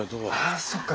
あそっか。